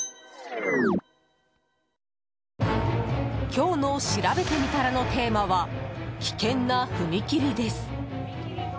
今日のしらべてみたらのテーマは危険な踏切です。